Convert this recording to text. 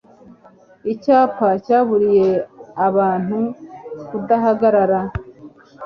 icyapa cyaburiye abantu kudahagarara